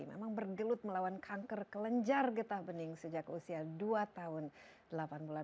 memang bergelut melawan kanker kelenjar getah bening sejak usia dua tahun delapan bulan